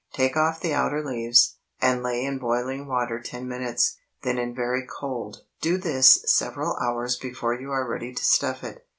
Take off the outer leaves, and lay in boiling water ten minutes, then in very cold. Do this several hours before you are ready to stuff it.